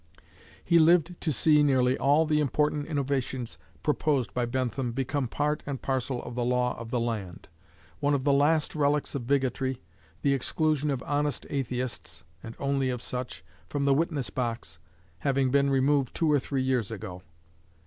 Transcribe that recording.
He lived to see nearly all the important innovations proposed by Bentham become part and parcel of the law of the land; one of the last relics of bigotry the exclusion of honest atheists (and only of such) from the witness box having been removed two or three years ago.